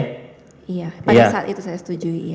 iya pada saat itu saya setuju